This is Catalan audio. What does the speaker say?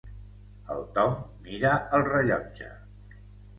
El Tom mira el rellotge.